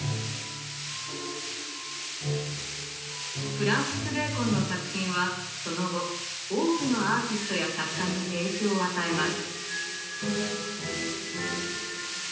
フランシス・ベーコンの作品はその後多くのアーティストや作家に影響を与えます。